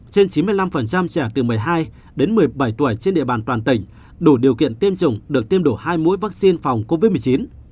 trên chín mươi năm trẻ từ một mươi hai đến một mươi bảy tuổi trên địa bàn toàn tỉnh đủ điều kiện tiêm chủng được tiêm đủ hai mũi vaccine phòng covid một mươi chín